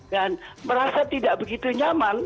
dan merasa tidak begitu nyaman